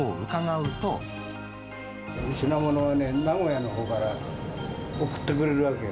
品物はね、名古屋のほうから送ってくれるわけよ。